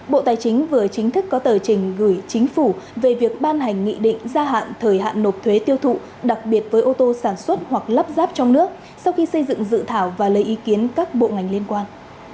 bộ tài chính vừa chính thức có tờ trình gửi chính phủ về việc ban hành nghị định gia hạn thời hạn nộp thuế tiêu thụ đặc biệt với ô tô sản xuất hoặc lắp ráp trong nước sau khi xây dựng dự thảo và lấy ý kiến các bộ ngành liên quan